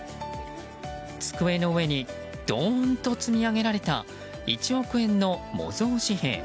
机の上にどーんと積み上げられた１億円の模造紙幣。